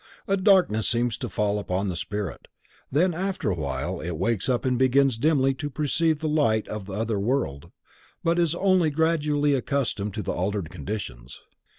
A darkness seems to fall upon the spirit, then after a while it wakes up and begins dimly to perceive the light of the other world, but is only gradually accustomed to the altered conditions.